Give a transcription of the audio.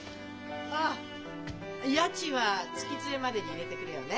ああ家賃は月末までに入れてくれよね。